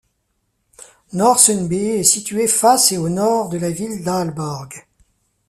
Nørresundby est située face et au nord de la ville d'Aalborg.